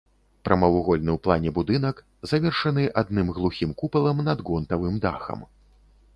Прамавугольны ў плане будынак, завершаны адным глухім купалам над гонтавым дахам.